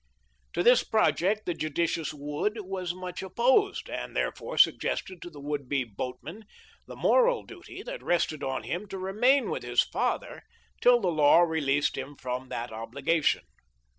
To this project the judicious Wood was much opposed, and therefore suggested to the would be boatman the moral duty that rested on him to remain with his father till the law released him from that obligation.